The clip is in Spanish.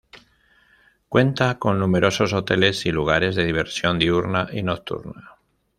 Cuenta con numerosos hoteles y lugares de diversión diurna y nocturna.